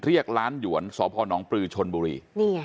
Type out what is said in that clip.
เรียกร้านหยวนสนปริชนบุรี